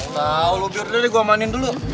tau lu biar dia deh gue amanin dulu